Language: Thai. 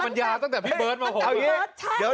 มันยาวตั้งแต่พี่เบิร์ทไหม